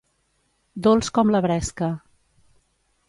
Dolç com la bresca.